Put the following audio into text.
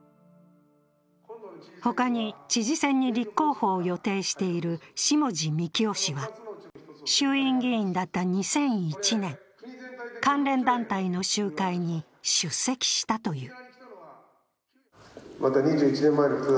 ほかに知事選に立候補を予定している下地幹郎氏は、衆院議員だった２００１年、関連団体の集会に出席したという。